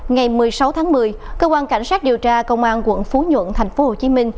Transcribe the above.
ngày một mươi sáu tháng một mươi cơ quan cảnh sát điều tra công an quận phú nhuận tp hcm